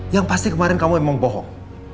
yang pasti kemarin kamu memang bohong